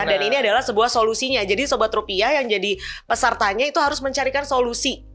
dan ini adalah sebuah solusinya jadi sobat rupiah yang jadi pesertanya itu harus mencarikan solusi